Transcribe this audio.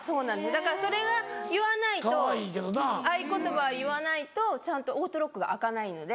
だからそれが言わないと合言葉言わないとちゃんとオートロックが開かないので。